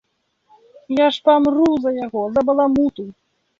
Я ж памру за яго, за баламуту.